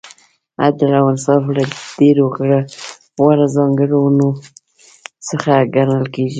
عدل او انصاف له ډېرو غوره ځانګړنو څخه ګڼل کیږي.